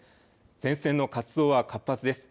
前線の活動は活発です。